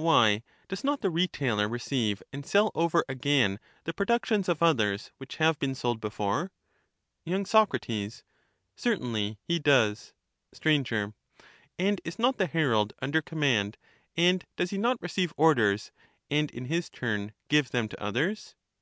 Why, does not the retailer receive and sell over again the productions of others, which have been sold before ? y. Soc, Certainly he does. Str. And is not the herald under command, and does he not receive orders, and in his turn give them to others